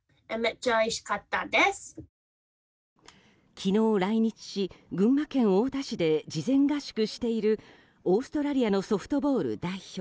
昨日来日し、群馬県太田市で事前合宿しているオーストラリアのソフトボール代表